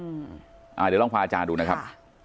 เดี๋ยวลองฟังอาจารย์ดูนะครับ